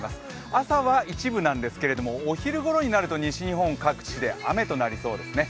朝は一部なんですけれどもお昼ごろになると西日本各地で雨となりそうですね。